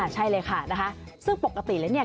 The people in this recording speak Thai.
ใช่เลยค่ะนะคะซึ่งปกติแล้วเนี่ย